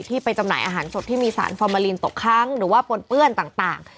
ไปจำหน่ายอาหารสดที่มีสารฟอร์มาลีนตกค้างหรือว่าปนเปื้อนต่าง